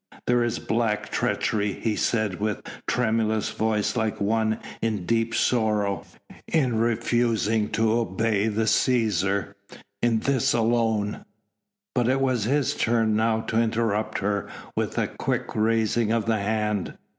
"There is black treachery," he said with tremulous voice like one in deep sorrow, "in refusing to obey the Cæsar." "In this alone " But it was his turn now to interrupt her with a quick raising of the hand.